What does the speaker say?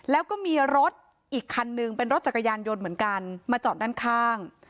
แล้วก็มีรถอีกคันนึงเป็นรถจักรยานยนต์เหมือนกันมาจอดด้านข้าง